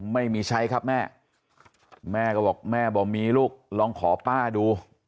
ไม่มีใช้ครับแม่แม่ก็บอกแม่บอกมีลูกลองขอป้าดู